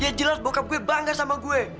dia jelas bokap gue bangga sama gue